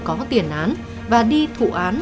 có tiền án và đi thụ án